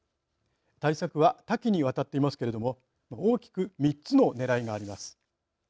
対策は多岐にわたっていますけれども大きく３つのねらいがあります。